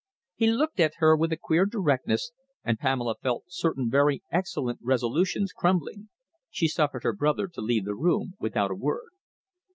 He looked at her with a queer directness, and Pamela felt certain very excellent resolutions crumbling. She suffered her brother to leave the room without a word.